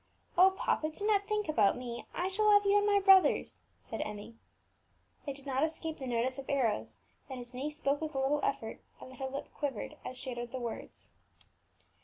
"Oh, papa, do not think about me; I shall have you and my brothers," said Emmie. It did not escape the notice of Arrows that his niece spoke with a little effort, and that her lip quivered as she uttered the words.